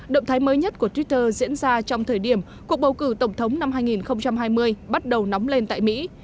động thái mới nhất của twitter diễn ra trong thời điểm cuộc bầu cử tổng thống năm hai nghìn hai mươi bắt đầu nóng lên tại mỹ